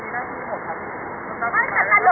อ๋อไม่ผมทำตามหน้าที่อ่ะ